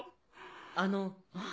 あの。